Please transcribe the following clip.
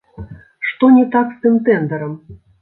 Што не так з тым тэндарам?